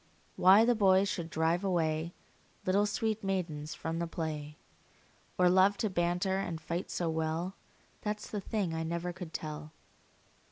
Why the boys should drive away Little sweet maidens from the play, Or love to banter and fight so well, That 's the thing I never could tell.